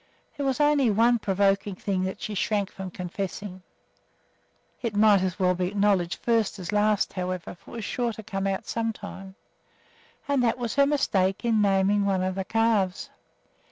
There was only one provoking thing that she shrank from confessing (it might as well be acknowledged first as last, however, for it was sure to come out sometime), and that was her mistake in naming one of the calves.